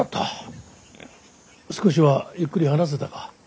少しはゆっくり話せたか。